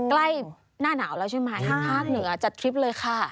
ใกล้หน้าหนาวแล้วใช่ไหมภาคเหนือจัดทริปเลยค่ะ